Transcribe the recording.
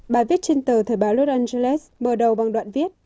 bài viết trên tờ thời báo los angeles mở đầu bằng đoạn viết